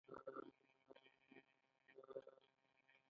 ایا زما معده روغه ده؟